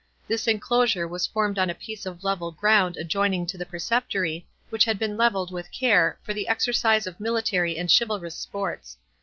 This enclosure was formed on a piece of level ground adjoining to the Preceptory, which had been levelled with care, for the exercise of military and chivalrous sports.